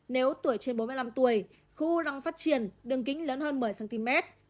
nếu tuổi trên bốn mươi năm tuổi khu u răng phát triển đường kính lớn hơn một mươi cm